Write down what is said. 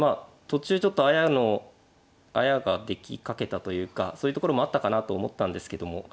途中ちょっとあやのあやができかけたというかそういうところもあったかなと思ったんですけども